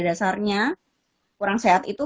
dasarnya kurang sehat itu